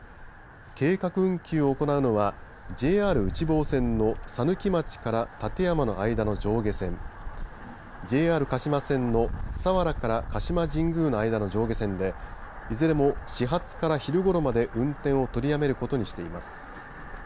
計画運休を行うのはＪＲ内房線の佐貫町から館山の間の上下線ＪＲ鹿島線の佐原から鹿島神宮の間の上下線でいずれも始発から昼ごろまで運転を取りやめることにしています。